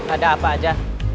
ada apa aja